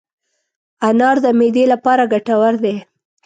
انار د معدې لپاره ګټور دی.